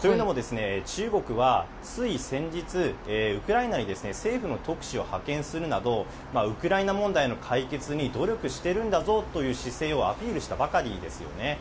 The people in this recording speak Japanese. というのも中国はつい先日ウクライナに政府の特使を派遣するなどウクライナ問題の解決に努力しているんだぞという姿勢をアピールしたばかりですよね。